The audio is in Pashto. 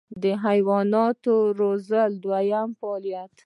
د حیواناتو روزل دویم فعالیت و.